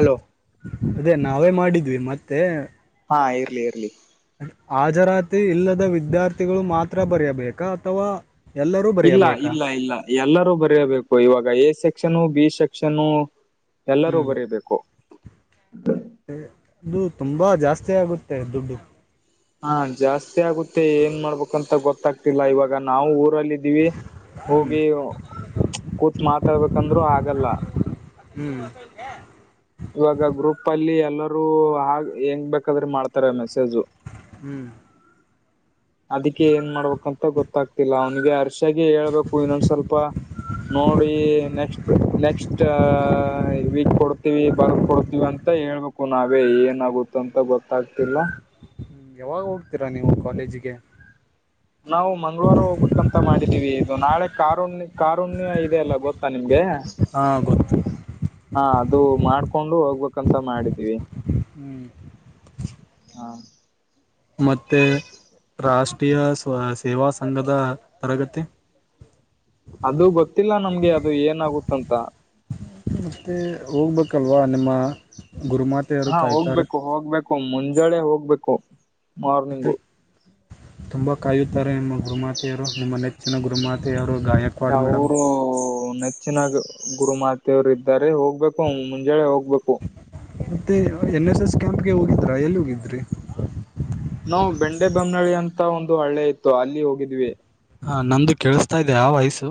Hello ಅದೆ ನಾವೇ ಮಾಡಿದ್ವಿ ಮತ್ತೆ. ಹಾ ಇರ್ಲಿ ಇರ್ಲಿ ಹಾಜರಾತಿ ಇಲ್ಲದ ವಿದ್ಯಾರ್ಥಿಗಳು ಮಾತ್ರ ಬರೆಯಬೇಕಾ ಅಥವಾ ಎಲ್ಲರೂ ಇಲ್ಲ ಬರೆಯಬೇಕಾ ಇಲ್ಲ ಇಲ್ಲ. ಎಲ್ಲರೂ ಬರಿಬೇಕು ಇವಾಗ ಎ ಸೆಕ್ಷನ್ ಬಿ ಸೆಕ್ಷನ್ ಎಲ್ಲರೂ ಹ್ಮ್ ಬರಿಬೇಕು. ಅದು ತುಂಬಾ ಜಾಸ್ತಿ ಆಗುತ್ತೆ ದುಡ್ಡು. ಹಾ ಜಾಸ್ತಿ ಆಗುತ್ತೆ ಏನ್ ಮಾಡ್ಬೇಕಂತ ಗೊತ್ತಾಗ್ತಿಲ್ಲ ಇವಾಗ ನಾವು ಊರಲ್ಲಿ. ವಿ ಹ್ಮ್ ಹೋಗಿ ಕೂತ್ ಮಾತಾಡ್ಬೇಕಂದ್ರರು ಆಗಲ್ಲ. ಹ್ಮ್ ಇವಾಗ ಗ್ರೂಪ್ ಅಲ್ಲಿ ಎಲ್ಲರೂ ಹಾಗ ಹೆಂಗ್ ಬೇಕಾದ್ರೆ ಮಾಡ್ತಾರೆ ಮೆಸೇಜು. ಹ್ಮ್ ಅದಿ ಏನ್ ಮಾಡ್ಬೇಕಂತ ಗೊತ್ತಾಗ್ತಿಲ್ಲ ಅವ್ನಿಗೆ ಹರ್ಷಾಗೆ ಹೇಳ್ಬೇಕು ಇನ್ನೊಂದ್ ಸ್ವಲ್ಪ. ನೋಡಿ ನೆಕ್ಸ್ಟ್ ನೆಕ್ಸ್ಟ್ ವೀಕ್ ಕೊಡ್. ತವಿ ಬರ್ದ್ ಕೊಡ್ತೀವಿ ಅಂತ ಹೇಳ್ಬೇಕು ನಾವೇ ಏನಾಗುತ್ತ ಅಂತ ಗೊತ್ತಾಗ್ತಿಲ್ಲ. ಹ ಯಾವಾಗ ಹೋಗ್ತೀರಾ ನೀವು ಕಾಲೇಜಿಗೆ. ನಾವು ಮಂಗಗಳವಾರ ಹೋಗ್ಬೇಕಂತ ಮಾಡಿದೀವಿ ಇದು ನಾಳೆ ಕಾರ್ ಹುಣಿಮೆ ಕಾರು ಹುಣಿಮೆ ಇದೆ ಅಲ್ಲ ಗೊತ್ತಾ ನಿಮ್ಗೆ ಹಾ ಗೊತ್ತು. ಹಾ ಅದು ಮಾಡ್ಕೊಂಡು ಹೋಗ್ಬೇಕಂತ ಮಾಡಿದೀವಿ. ಹ್ಮ್ ಹಾ ಮತ್ತು ರಾಷ್ಟ್ರೀಯ ಸೇವಾ ಸಂಘದ ಪ್ರಗತಿ. [inaudible] ಅದು ಗೊತ್ತಿಲ್ಲ ನಮ್ಗೆ ಅದು ಏನಾಗುತ್ತೆ ಅಂತ. ಮತ್ತೆ ಹೋಗ್ಬೇಕಲ್ವಾ ನಿಮ್ಮ. ಗುರುಮಾತೆಯರು ಹಾ ಕಾಯ್ತಾರೆ ಹೋಗ್ಬೇಕು ಹೋಗ್ಬೇಕು ಮುಂಜಾಳೆ ಹೋಗ್ಬೇಕು ಮತ್ತೆ ಮಾರ್ನಿಂಗು ತುಂಬಾ ಕಾಯುತ್ತಾರೆ ನಿಮ್ಮ ಗುರುಮಾತೆಯರು ನಿಮ್ಮ ನೆಚ್ಚಿನ ಗುರುಮಾತೆಯವರು ಗಾಯಕ್ವಾಡ್ ಮೇಡಮ್ ಚೆನ್ನಾಗ ಗುರುಮಾತೆಯವರು ಇದ್ದಾರೆ ಹೋಗ್ಬೇಕು ಮುಂಜಳೆ ಹೋಗ್ಬೇಕು ಮತ್ತೆ ಎನ್ ಎಸ್ ಎಸ್ ಕ್ಯಾಂಪ್ಗೆ ಹೋಗಿದ್ರಾ ಎಲ್ಲಿ ಹೋಗಿದ್ರಿ ನಾವು ಬೆಂಡೆ ಬೊಮ್ಮ್ನಳಿ ಅಂತ ಒಂದು ಹಳ್ಳೆ ಇತ್ತು ಅಲ್ಲಿ ಹೋಗಿದ್ವಿ ಹಾ ನಂದು ಕೇಳಿಸ್ತಾ ಇದೆ ಆ ವಾಯ್ಸು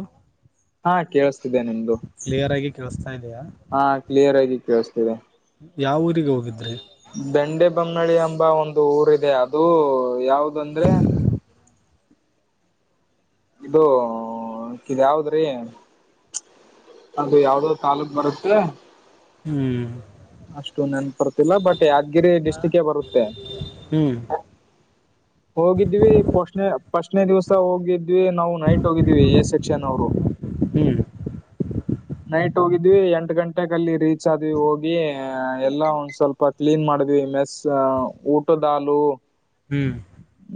ಹಾ ಕೇಳಿಸ್ತಿದ್ದೆ ನಿಮ್ದು ಕ್ಲಿಯರ್ ಆಗಿ ಕೇಳಿಸ್ತಾ ಇದೆಯಾ ಹಾ ಕ್ಲಿಯರ್ ಕೆಲ್ಸ್ತಿದೆ ಯಾವ ಊರಿಗೆ ಹೋಗಿದ್ರೆ ದಂಡೆ ಬೊಮ್ಮಳಿ ಎಂಬ ಒಂದು ಊರದೆ ಅದು ಯಾವ್ದ್ ಬಂದ್ರೆ ಇದು ಇಕಿ ಯಾವದ್ರೀ ಅದು ಯಾವ್ದೋ ತಾಾಲೂಕ್ ಬರುತ್ತೆ ಹ್ಮ್ ಅಷ್ಟು ನೆನ್ಪರ್ತಿಲ್ಲ ಬಟ್ ಯಾದಗಿರಿ ಡಿಸ್ಟ್ರಿಕ್ ಬರುತ್ತೆ ಹ್ಮ್ ಹೋಗಿದ್ವಿ ಪೋಸ್ಣ ಪಸ್ನೆ ದಿವ್ಸ ಹೋಗಿದ್ವಿ ನಾವು ನೈಟ್ ಹೋಗಿದ್ವಿ ಎ ಸೆಕ್ಷನ್ ಅವ್ರು ಹ್ಮ್ ನೈಟ್ ಹೋಗಿದ್ವಿ ಎಂಟು ಗಂಟೆಗ ಅಲ್ಲಿ ರೀಚ್ ಆದ್ವಿ ಹೋಗಿ ಎಲ್ಲಾ ಒಂದ್ ಸ್ವಲ್ಪ ಕ್ಲೀನ್ ಮಾಡಿದ್ವಿ ಮೆಸ್ ಊಟದಾಲು ಹ್ಮ್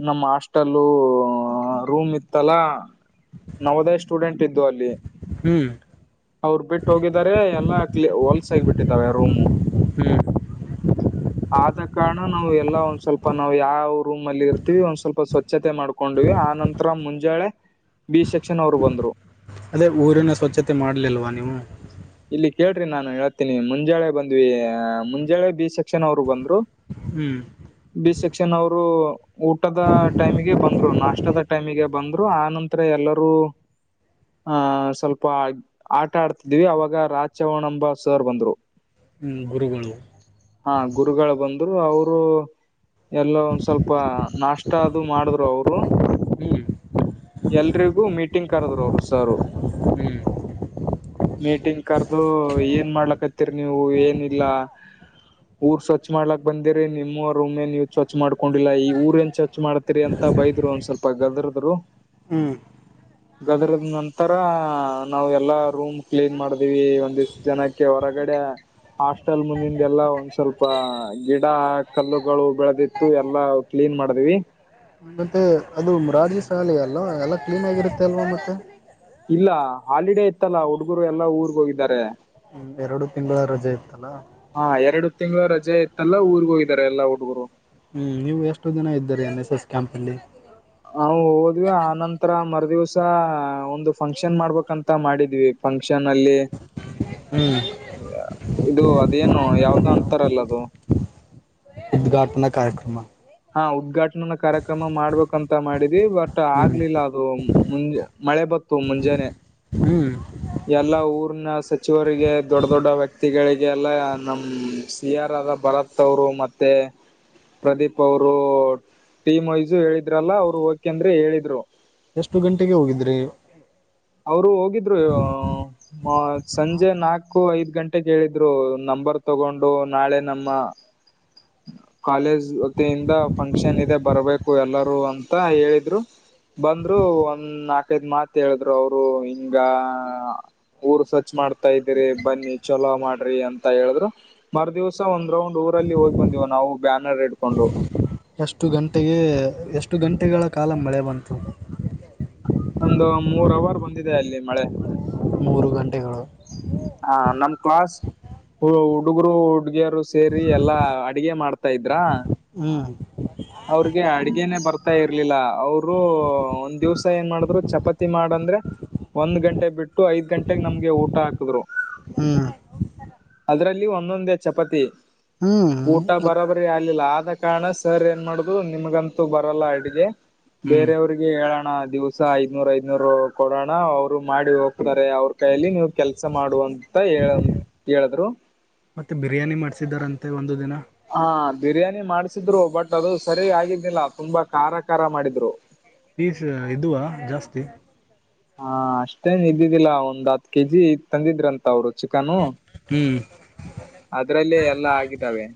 ನಮ್ಮ್ ಹಾಸ್ಟೆಲ್ಲ ರೂಮ್ ಇತ್ತಲ್ಲ ನವೋದಯ ಸ್ಟೂಡೆಂಟ್ ಇದ್ದು ಅಲ್ಲಿ ಹ್ಮ್ ಅವ್ರು ಬಿಟ್ಟು ಹೋಗಿದಿದ್ದಾರೆ ಎಲ್ಲಾ ಕ್ಲಿ ವಲ್ಸ ಆಗ ಬಿಟ್ಟಿದಾವೆ ರೂಮು ಹ್ಮ್ ಆದ ಕಾರಣ ನಾವು ಎಲ್ಲಾ ಒಂದ್ ಸ್ವಲ್ಪ ನಾವ್ ಯಾವ ರೂಮ್ ಲ್ಲಿ ಇರ್ತೀವಿ ಒಂದ್ ಸ್ವಲ್ಪ ಸ್ವಚ್ಛತೆ ಮಾಡ್ಕೊಂಡವಿ ಆ ನಂತರ ಮುಂಜಾಳೆ ಬಿ ಸೆಕ್ಷನ್ ಅವ್ರು ಬಂದ್ರು ಅದೇ ಊರಿನ ಸ್ವಚ್ತೆ ಮಾಡ್ಲಿಲ್ವಾ ನೀವು ಇಲ್ಲಿ ಕೇಳ್ರಿ ನಾನು ಹೇಳ್ತೀನಿ ಮುಂಜಾಳೆ ಬಂದ್ವಿ ಮುಂಜಾಳೆ ಬಿ ಸೆಕ್ಷನ್ ಅವ್ರು ಬಂದ್ರು ಹ್ಮ್ ಬಿ ಸೆಕ್ಷನ್ ಅವರು ಊಟದ ಟೈಮಿಗೆ ಬಂದ್ರು ನಾಷ್ಟದ ಟೈಮಿಗೆ ಬಂದ್ರು ಆ ನಂತರ ಎಲ್ಲರೂ ಆಹ ಸ್ವಲ್ಪ ಆಟ ಆಡ್ತಿದ್ವಿ ಅವಾಗ್. ಆಗ ರಾಜಚವಣಂಬ ಸರ್ ಬಂದ್ರು. ಗುರುಗಳು. ಹಾ ಗುರುಗಳು ಬಂದ್ರು ಅವರು. ಎಲ್ಲ ಒಂದ್ ಸ್ವಲ್ಪ ನಾಷ್ಟ ಅದು ಮಾಡಿದ್ರು ಅವರು. ಹ್ಮ್ ಎಲ್ರಿಗೂ ಮೀಟಿಂಗ್ ಕರದ್ರು ಅವರು ಸಾರ. ಹ್ಮ್ ಮೀಟಿಂಗ್ ಕರೆದು ಏನ್ ಮಾಡ್ಲಕತಿ. ರಿ ನೀವು ಏನಿಲ್ಲಾ ಊರ್ ಸ್ವಚ್ ಮಾಡ್ಲಕ್ ಬಂದಿರಿ ನಿಮ್ಮ ರೂಮ್ ನ್ ನೀ. ಸ್ವಚ್ ಮಾಡ್ಕೊಂಡಿಲ್ಲಾ ಈ ಊರ ನ್ ಸ್ವಚ್ ಮಾಡ್ತಿೀರಿ ಅಂತ ಬೈದ್ರು ಒಂದ್ ಸ್ವಲ್ಪ ಗದ್ರದರು. ಹ್ಮ್. ಗದ್ರದ್ ನಂತರ ನಾವ್ ಎಲ್ಲಾ ರೂಮ್ ಕ್ಲೀನ್ ಮಾಡ. ಒ ಒಂದ್ ಇಷ್ಟು ಜನಕ್ಕೆ ಹೊರಗಡೆ. ಹಾಸ್ಟೆಲ್ ಮುಂದಿಂದ್ ಎಲ್ಲಾ ಒಂದ್ ಸ್ವಲ್ಪ ಗಿಡ ಕಲ್ಲುಗಳು ಬೆಳೆದಿತ್ತು ಎಲ್ಲಾ ಕ್ಲೀನ್ ಮಾಡದೀವಿ. ಮತ್ತೆ ಅದು ರಾಜ ಶಾಳಿ ಅಲ್ವಾ ಎಲ್ಲಾ ಕ್ಲೀನ್ ಆಗಿರುತ್ತೆ ಅಲ್ವಾ ಮತ್ತೆ. ಇಲ್ಲ ಹಾಲಿಡೇ ಇತ್ತಲ್ಲ ಹುಡುಗರು ಎಲ್ಲಾ ಊರಗ್ ಹೋಗಿದ್ದಾರೆ. ಹ್ಮ್ ಎರಡು ತಿಂಗಳ ರಜೆ ಇತ್ತಲ್ಲಾ. ಹಾ ಎರಡು ತಿಂಗಳು ರಜೆ ಇತ್ತಲ್ಲ ಊರಗೆ ಹೋಗಿದ್ದಾರೆ ಎಲ್ಲಾ ಹುಡುಗರು. ಹ್ಮ್ ನೀವು ಎಷ್ಟು ಜನ ಇದ್ದೀರಿ ಎನ್ ಎಸ್ ಎಸ್ ಕ್ಯಾಂಪ್ ಅಲ್ಲಿ ನಾವು ಹೋದ್ವಿ ಆನಂತರ ಮರ್ ದಿವಸ ಒಂದು ಫಂಕ್ಷನ್ ಮಾಡ್ಬೇಕಂತ ಮಾಡಿದ್ವಿ. ಫಂಕ್ಷನ್ ಅಲ್ಲಿ ಹ್ಮ್ ಇದು ಅದೇನು ಯಾವ್ದೋ ಅಂತರಲ್ಲ ಅದು ಉದ್ಘಾಟನಾ ಕಾರ್ಯಕ್ರಮ. ಹಾ ಉದ್ಘಾಟನ ಕಾರ್ಯಕ್ರಮ ಮಾಡ್ಬೇಕಂತ ಮಾಡಿದ್ವಿ ಬಟ್ ಹ್ಮ್ ಆಗ್ಲಿಲ್ಲ ಅದು ಮುಂಜ್ ಮಳೆ ಬತ್ತು ಮುಂಜಾನೆ. ಹ್ಮ್ ಎಲ್ಲಾ ಊರನ ಸಚಿವರಿಗೆ ದೊಡ್ಡ ದೊಡ್ಡ ವ್ಯಕ್ತಿಗಳಿಗೆಲ್ಲಾ ನಮ್ಮ್ ಟಿ ಆರ್ ಆದ ಭರತ್ ಅವರು ಮತ್ತೆ ಪ್ರದೀಪ್ ಅವರು ಟೀಮ್ ವೈಸ್ಸು ಹೇಳಿದ್ರಲ್ಲ ಅವರು ಹೋಗಕೆಂದ್ರೆ ಹೇಳಿದ್ರು. ಎಷ್ಟು ಗಂಟೆಗೆ ಹೋಗಿದ್ರಿ. ಅವರು ಹೋಗಿದ್ರು. ಮ ಸಂಜೆ ನಾಲ್ಕು ಐದ್ ಗಂಟೆಗೆ ಹೇಳಿದ್ರು ನಂಬರ್ ತಗೊಂಡು ನಾಳೆ ನಮ್ಮ ಹ [unintelligible] ಕಾಲೇಜ್ ವತಿಯಿಂದ ಫಂಕ್ಷನ್ ಇದೆ ಬರ್ಬೇಕು ಎಲ್ಲಾರೂ ಅಂತ ಹೇಳಿದ್ರು. ಬಂದ್ರು ಒಂದ್ ನಾಕೈದ್ ಮಾತ್ ಹೇಳಿದ್ರು ಅವರು ಹಿಂಗಾ ಊರ್ ಸ್ವಚ್ಛ ಮಾಡ್ತಾ ಇದ್ದೀರಿ ಬನ್ನಿ ಚಲೋ ಮಾಡ್ರಿ ಅಂತ ಹೇಳಿದ್ರು. ಮರ ದಿವಸ ಒಂದ್ ರೌಂಡ್ ಊರಲ್ಲಿ ಹೋಗಿ ಬಂದಿವ್ ನಾವು ಬ್ಯಾನರ್ ಇಡ್ಕೊಂಡು. ಎಷ್ಟು ಗಂಟೆಗೆ ಎಷ್ಟು ಗಂಟೆಗಳ ಕಾಲ ಮಳೆ ಬಂತು. ಒಂದು ಮೂರು ಅವಾರ್ ಬಂದಿದೆ ಅಲ್ಲಿ ಮಳೆ. ಮೂರು ಗಂಟೆಗಳು. ಹ ನಮ್ ಕ್ಲಾಸ್ ಹ ಹುಡುಗರು ಹುಡುಗಿಯರು ಸೇರಿ ಎಲ್ಲಾ ಅಡುಗೆ ಮಾಡ್ತಾ ಇದ್ರಾ. ಹ್ಮ್. ಅವ್ರಿಗೆ ಅಡ್ಗೆೇನೆೇ ಬರ್ತಾ ಇರ್ಲಿಲ್ಲ ಅವರು ಒಂದು ದಿವಸ ಏನ್ ಮಾಡಿದ್ರು ಚಪಾತಿ ಮಾಡಂದ್ರೆ ಒಂದು ಗಂಟೆ ಬಿಟ್ಟು ಐದು ಗಂಟೆಗೆ ನಮ್ಗೆ ಊಟ ಹಾಕಿದ್ರು. ಹ್ಮ್ ಅದ್ರಲ್ಲಿ ಒಂದೊಂದೇ ಚಪಾತಿ ಹ್ಮ್ ಊಟ ಮತ್ ಬರದ್ರ್ ಆಗಲ್ಲ ಆದ ಕಾರಣ ಸರ್ ಏನ್ ಮಾಡದ್ರೂ ನಿಮಗಂತೂ ಬರಲ್ಲ ಅಡ್ಗೆ ಹ್ಮ್ ಬೇರೆಯವ್ರಿಗ್ ಹೇಳೋಣ ದಿವಸ ಐದ್ನೂರು ಐದನೂರು ಕೊಡೋಣ ಅವರು ಮಾಡಿ ಹೋಗ್ತಾರೆ ಅವರು ಕೈಯಲ್ಲಿ ನೀವು ಕೆಲಸ ಮಾಡುವಂತ ಹೇಳ ಹೇಳಿದ್ರು. ಮತ್ತೆ ಬಿರಿಯಾನಿ ಮಾಡ್ಸಿದಾರಂತೆ ಒಂದು ದಿನ. ಹಾ ಬಿರಿಯಾನಿ ಮಾಡ್ಸಿದ್ರು ಬಟ್ ಅದು ಸರಿ ಆಗಿದ್ದಿಲ್ಲ ತುಂಬಾ ಖಾರ ಖಾರ ಮಾಡಿದ್ರು‌. ಪೀಸ್ ಇದುವಾ ಜಾಸ್ತಿ. ಹಾ ಅಷ್ಟೇ ನಿದ್ದಿದ್ದಿಲ್ಲ ಒಂದ್ ಹತ್ತು ಕೆ ಜಿ ತಂದಿದ್ರಂತೆ ಅವರು. ಚಿಕ್ಕನು ಹ್ಮ್ ಅದ್ರಲ್ಲೆ ಎಲ್ಲಾ ಆಗಿದ್ದಾವೆ.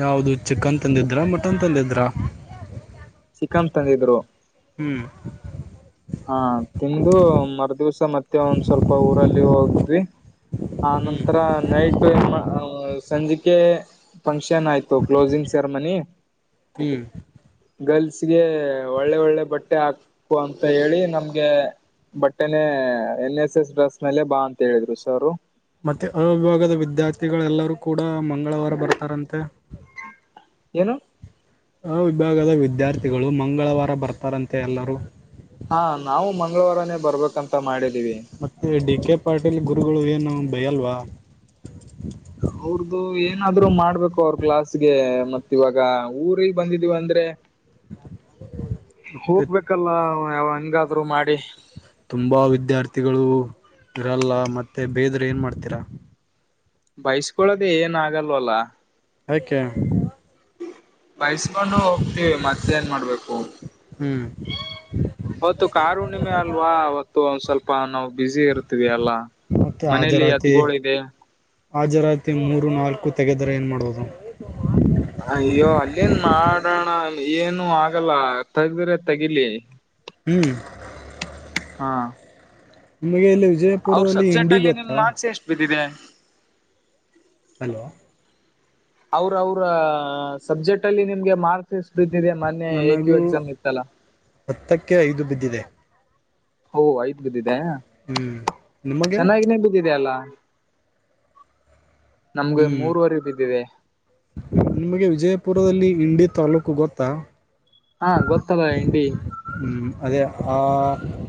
ಯಾವುದು ಚಿಕನ್ ತಂದಿದ್ರ ಮಟನ್ ತಂದಿದ್ರಾ. ಚಿಕ್ಕನ್ ತಂದಿದ್ರು ಹ್ಮ್ ಹಾ ತಿಂದು ಮರ ದಿವ್ಸ ಮತ್ತೆ ಒಂದ್ ಸ್ವಲ್ಪ ಊರಲ್ಲಿ ಹೋಗದ್ವಿ. ಆ ಹ್ಮ್ ನಂತರ ನೈಟ್ ಏನ್ ಸಂಜಿಕೆ ಫಂಕ್ಷನ್ ಆಯ್ತು. ಕ್ಲೋಸಿಂಗ್ ಸೆರಮನಿ. ಹ್ಮ್ ಗರ್ಲ್ಸ್ಗೆ ಒಳ್ಳೆ ಒಳ್ಳೆ ಬಟ್ಟೆ ಹಾಕು ಅಂತ. ಹೇಳಿ ನಮ್ಗೆ ಬಟ್ಟೆನೆ ಎನ್ ಎಸ್ ಎಸ್ ಡ್ರೆಸ್ ಮೇಲೆ ಬಾ ಅಂತ ಹೇಳಿದ್ರು ಸರ್ ಅವರು. ಮತ್ತೆ ಆ ವಿಭಾಗದ ವಿದ್ಯಾರ್ಥಿಗಳೆಲ್ಲರೂ ಕೂಡ ಮಂಗಳವಾರ ಬರ್ತಾರಂತೆ. ಏನು. ಅ ವಿಭಾಗದ ವಿದ್ಯಾರ್ಥಿಗಳು ಮಂಗಳವಾರ ಬರ್ತಾರಂತೆ ಎಲ್ಲರೂ. ಹಾ ನಾವು ಮಂಗಳವಾರನೇ ಬರ್ಬೇಕಂತ ಮಾಡಿದೀವಿ ಮತ್ತೆ ಡಿ ಕೆ ಪಾಟೀಲ್ ಗುರುಗಳು ಏನು ಭೈಯಲ್ವಾ. ಅವ್ರ್ದು ಏನಾದ್ರು ಮಾಡ್ಬೇಕು ಅವ್ರ ಕ್ಲಾಸ್ಗೆ ಮತ್ ಇವಾಗ ಊರಿಗೆ ಬಂದಿದೀವ ಅಂದ್ರೆ ಮತ್ತೆ ಹೋಗ್ಬೇಕಲ್ಲ ಯ ಹೆಂಗಾದ್ರು ಮಾಡಿ ತುಂಬಾ ವಿದ್ಯಾರ್ಥಿಗಳು ಇರಲ್ಲ ಮತ್ತೆ ಬೇದ್ರೆ ಏನ್ ಮಾಡ್ತೀರಾ ಬೈಸ್ಕೊಳ್ಳೋದೇ ಏನ ಆಗಲ್ವಲ್ಲ ಏಕೆ ಬಯಸ್ಕೊಂಡು ಹೋಗ್ತೀವಿ ಮತ್ತೆ ಏನ್ ಮಾಡ್ಬೇಕು ಹ್ಮ್ ಅವತ್ತು ಕಾರಹಣ್ಣಿಮೆ ಅಲ್ವಾ ಅವತ್ತು ಒಂದ ಸ್ವಲ್ಪ ನಾವು ಬ್ಯುಸಿ ಇರ್ತವಿ ಅಲ್ಲ ಮತ್ತೆ ಮನೇಲಿ ಹಾಜರಾತಿ ಎತ್ತುಗೋಳ ಇದೆ ಹಾಜರಾತಿ ಮೂರು ನಾಲ್ಕು ತೆಗೆದರೆ ಏನು ಮಾಡೋದು ಅ ಅಯ್ಯೋ ಅಲ್ಲಿನ್ ಮಾಡೋಣ ಏನು ಆಗಲ್ಲ ತಗೆಂದ್ರ ತೆಗಿಲಿ ಹ್ಮ್ ಹಾ ನಿಮಗೆ ಎಲ್ಲಿ [unintelligible] ಜ ಅವ್ರ ಸಬ್ಜೆಕ್ಟ್ ಅಲ್ಲಿ ನಿನ್ ಮಾರ್ಕ್ಸ್ ಎಷ್ಟು ಬಿದ್ದಿದೆ ಹಲೋ ಅವ್ರ ಅವ್ರ ಸಬ್ಜೆಕ್ಟ್ ಅಲ್ಲಿ ನಿಮ್ಗೆ ಮಾರ್ಕ್ಸ್ ಎಷ್ಟ ಬಿದ್ದಿದೆ ಮೊನ್ನೆ ನನಗೂ ಎಕ್ಸಾಮ್ ಇತ್ತಲ್ಲಾ ಹತ್ತಕ್ಕೆ ಐದು ಬಿದ್ದಿದೆ ಓಹ ಐದ್ ಬಿದ್ದಿದೆ ಹ್ಮ್ ನಿಮಗೆ ಚೆನ್ನಾಗಿ ನೆ ಬಿದ್ದಿದೆ ಅಲ್ಲಾ ನಮ್ಗೆ ಮೂರ್ವರೆ ಬಿದ್ದಿದೆ ನಿಮ್ಗೆ ವಿಜಯಪುರದಲ್ಲಿ ಇಂಡಿ ತಾಲ್ಲೂಕು ಗೊತ್ತಾ ಹಾ ಗೊತ್ತಲ್ಲ ಇಂಡಿ ಹ್ಮ್ ಅದೇ ಆ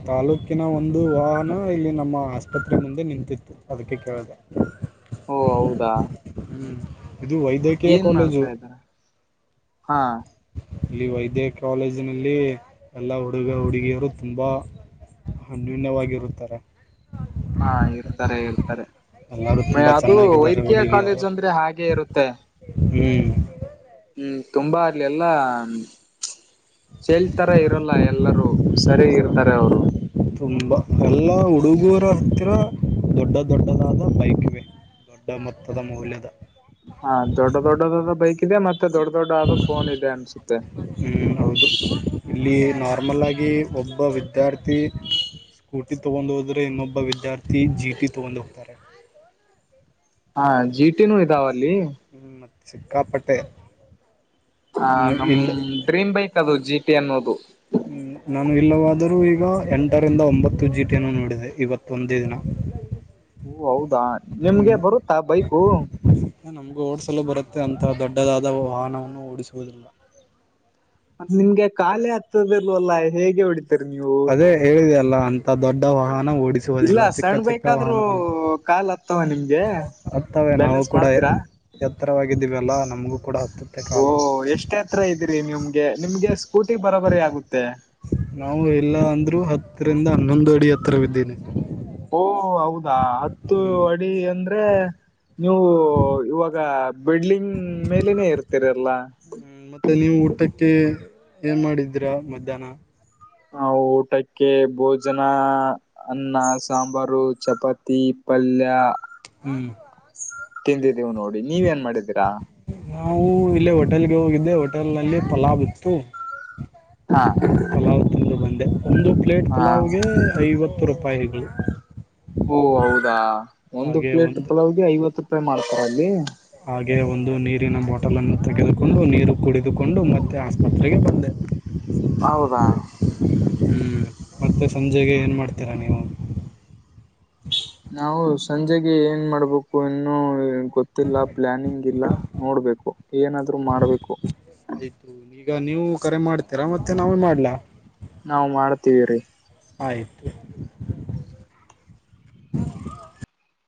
ತಾಲೂಕಿನ ಒಂದು ವಾಹನ ಇಲ್ಲಿ ನಮ್ಮ ಆಸ್ಪತ್ರೆ ತ್ರೆ ಮುಂದೆ ನಿಂತಿತ್ತು ಅದಕ್ಕೆ ಕೇಳಿದೆ ಓ ಹೌದಾ ಹ್ಮ್ ಇದು ವೈ ಏನ್ ಮಾಡ್ತಾ ಇದ್ದಾರೆ ಹಾ ಇಲ್ಲಿ ವೈದ್ಯ ಕಾಲೇಜಿನಲ್ಲಿ ಎಲ್ಲ ಹುಡುಗ ಹುಡುಗಿಯರು ತುಂಬಾ ಹ ಯೂನ್ಯವಾಗಿರುತ್ತಾರೆ ಹಾ ಇರ್ತಾರೆ ಇರ್ತಾರೆ ಎಲ್ಲರೂ ಮ ತುಂಬಾ ಅದು ಚೆನ್ನಾಗಿದ್ದಾರೆ ವೈದ್ಯಕೀಯ ಹುಡುಗಿಯರು ಕಾಲೇಜ್ ಅಂದ್ರೆ ಹಾಗೆ ಇರುತ್ತೆ ಹ್ಮ್ ಹ್ಮ್ ತುಂಬಾ ಅಲ್ಲಿ ಎಲ್ಲಾ ಚೇಲ್ತರ ಇರಲ್ಲ ಎಲ್ಲರೂ ಸರಿ ಇರ್ತಾರೆ ಅವರು ತುಂಬಾ ಎಲ್ಲ ಹುಡುಗೂರ ಹತ್ತಿರ ದೊಡ್ಡ ದೊಡ್ಡದಾದ ಬೈಕ್ಗೆ. ದೊಡ್ಡ ಮೊತ್ತದ ಮೌಲ್ಯದ ಹಾ, ದೊಡ್ಡ ದೊಡ್ಡದಾದ ಬೈಕ್ ಇದೆ. ಮತ್ತೆ ದೊಡ್ಡ ದೊಡ್ಡ ಆದ ಫೋನ್ ಇದೆ ಅನ್ಸುತ್ತೆ. ಹ್ಮ್, ಹೌದು ಇಲ್ಲಿ ನಾರ್ಮಲ್ ಆಗಿ ಒಬ್ಬ ವಿದ್ಯಾರ್ಥಿ ಸ್ಕೂಟಿ ತೊಗೊಂಡ್ ಹೋದ್ರೆ ಇನ್ನೊಬ್ಬ ವಿದ್ಯಾರ್ಥಿ ಜಿಟಿ ತಗೊಂಡ ಹೋಗ್ತಾರೆ. ಹಾ, ಜಿಟಿನೂ ಇದಾವ ಅಲ್ಲಿ. ್ಮ ಮ [unintelligible] ತ್ತು ಸಿಕ್ಕಾಪಟ್ಟೆ ಹ್ಮ್, ನಮ್ ಇಲ್ಲ ಡ್ರೀಮ್ ಬೈಕ್ ಅದು ಜಿಟಿ ಅನ್ನೋದು. ಹ್ಮ್, ನಾನು ಇಲ್ಲವಾದರೂ ಈಗ ಎಂಟರಿಂದ, ಒಂಬತ್ತು ಜಿ ಟಿನ್ನು ನೋಡಿದೆ ಇವತ್ತ ಒಂದೇ ದಿನ. ಹೌ [inaudible] ಓ, ಹೌದಾ ನಿಮ್ಗೆ ಬರುತ್ತಾ ಬೈಕು. ನಮ್ಗ ಓಡ್ಸಲು ಬರುತ್ತೆ ಅಂತ ದೊಡ್ಡದಾದ ವಾಹವನ್ನು ಓಡಿಸುವುದಿಲ್ಲ. ಅದ್ ನಿಮ್ಗೆ ಖಾಲಿ ಹತ್ತದಿಲ್ವಲ್ಲಾ ಹೇಗೆ ಹೊಡಿತೀರಾ ನೀವು. ಹೇಳಿದೆಲ್ಲ [inaudible] ದೊಡ್ಡ ವಾಹನ ಇಲ್ಲ ಓಡಿಸುವುದಿಲ್ಲ. ಚಿಕ್ಕ- ಸಣ್ಣ ಚಿಕ್ಕ ಬೇಕಾದ್ರೂ ವಾಹನವನ್ನು ಕಾಲ್ ಹತ್ತವ ನಿಮ್ಗೆ [inaudible] ಹತ್ತವೆ ನಾವು ಬ್ಯಾಲೆನ್ಸ್ ಕೂಡ ಮಾಡ್ತೀರಾ ಎತ್ತರವಾಗಿದ್ದೀವಿಲ್ಲಾ ನಮಗೂ ಕೂಡ ಹತ್ತುತ್ತೆ ಕಾಲು. ಎಷ್ಟೇ ಎತ್ರ ಇದೀರಿ ನಿಮ್ಗೆ, ನಿಮ್ಗೆ ಸ್ಕೂಟಿ ಬರೋಬರಿ ಆಗುತ್ತೆ. ನಾವು ಇಲ್ಲ ಅಂದ್ರೂ ಹತ್ತರಿಂದ ಹನ್ನೊಂದು ಅಡಿ ಎತ್ರವಿದ್ದೀನಿ. ಓ, ಹೌದಾ! ಹತ್ತು ಹ್ಮ್ ಅಡಿ ಅಂದ್ರೆ ನೀವು ಇವಾಗ ಬಿಲ್ಡಿಂಗ್ ಮೇಲನೆೇ ಇರ್ತೀರಿಲ್ಲ, ಹ್ಮ್ ಮತ್ತೆ ನೀವು ಊಟಕ್ಕೆ ಏನ್ ಮಾಡಿದ್ರಾ ಮಧ್ಯಾಹ್ನ. ನಾವು ಊಟಕ್ಕೆ ಭೋಜನ,, - ಅನ್ನ, ಸಾಂಬಾರು, ಚಪಾತಿ, ಪಲ್ಯ ಹ್ಮ್, ತಿಂದಿದ್ದೀವಿ ನೋಡಿ ನೀವ್ ಏನ್ ಮಾಡಿದ್ದೀರಾ. ನಾವು ಇಲ್ಲಿ ಹೋಟೆಲ್ಗೆ ಹೋಗಿದ್ದೆ ಹೋಟೆಲ್ ನಲ್ಲಿ ಪಲಾವ್ ಇತ್ತು- ಹಾ [inaudible] ಪಲಾವ್ ತಿಂದು ಬಂದೆ ಒಂದು ಪ್ಲೇಟ್ ಹಾ ಪಲಾವ್ಗೆ ಐವತ್ತು ರೂಪಾಯಿಗಳು. ಓಹ್, ಹೌದಾ! ಒಂದು ಪ್ಲೇಟ್ ಪಲಾವ್ಗೆ ಐವತ್ತು ರೂಪಾಯಿ ಮಾಡ್ತಾರ ಅಲ್ಲಿ ಹಾಗೆ ಒಂದು ನೀರಿನ ಬಾಟಲ್ ಅನ್ನು ತೆಗೆದುಕೊಂಡು ನೀರು ಕುಡಿದುಕೊಂಡು ಮತ್ತೆ ಆಸ್ಪತ್ರೆಗೆ ಬಂದೆ. [inaudible] ಹೌದಾ! ಹ್ಮ್, ಮತ್ತೆ ಸಂಜೆಗೆ ಏನ್ ಮಾಡ್ತೀರಾ ನೀವು. ನಾವು ಸಂಜೆಗೆ ಏನ್ ಮಾಡ್ಬೇಕು ಇನ್ನೂ ಗೊತ್ತಿಲ್ಲ ಪ್ಲಾನಿಂಗ್ ಇಲ್ಲ. ನೋಡ್ಬೇಕು ಏನಾದ್ರು ಮಾಡ್ಬೇಕು. ಆಯ್ತು ಈಗ ನೀವು ಕರೆ ಮಾಡ್ತೀರಾ ಮತ್ತೆ ನಾವೇ ಮಾಡ್ಲಾ ನಾವು ಮಾಡ್ತೀವಿರಿ ಆಯ್ತು